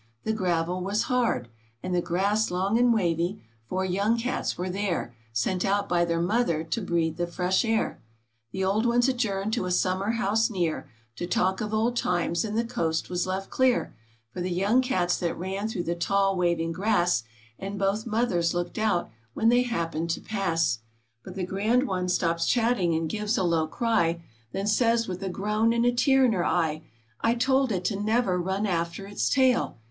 The gravel was hard And the grass long and wavy; four young cats were there, Sent out by their mother to breathe the fresh air. The old ones adjourned to a summer house near, To talk of old times, and the coast was left clear For the young cats that ran through the tall, waving grass, And both mothers looked out when they happened to pass. 16 THE CAT AND HER KITTEN. But the grand one stops chatting, and gives a low cry, Then says, with a groan and a tear in her eye: "I told it to never run after its tail!"